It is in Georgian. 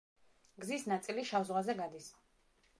გზის ნაწილი შავ ზღვაზე გადის.